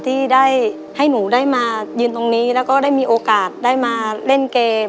ที่ได้ให้หนูได้มายืนตรงนี้แล้วก็ได้มีโอกาสได้มาเล่นเกม